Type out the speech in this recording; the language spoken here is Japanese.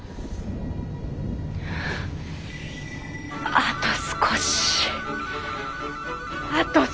あと少しあと少し。